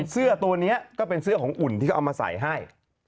เสื้อตัวนี้ก็เป็นเสื้อของอุ่นที่เขาเอามาใส่ให้